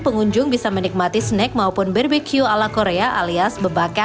pengunjung bisa menikmati snek maupun bbq ala korea alias bebaya